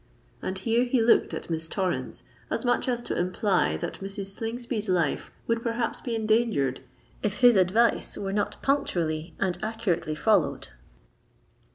And here he looked at Miss Torrens, as much as to imply that Mrs. Slingsby's life would perhaps be endangered if his advice were not punctually and accurately followed.